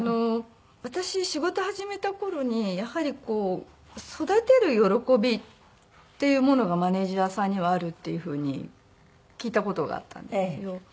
私仕事始めた頃にやはりこう育てる喜びっていうものがマネジャーさんにはあるっていうふうに聞いた事があったんですよ。